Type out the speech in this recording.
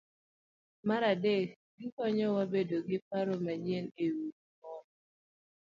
Mar adek, gikonyowa bedo gi paro manyien e wi gimoro.